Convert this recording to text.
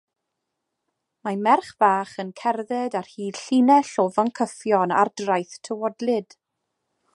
Mae merch fach yn cerdded ar hyd llinell o foncyffion ar draeth tywodlyd.